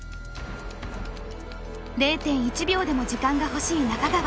０．１秒でも時間が欲しい中川。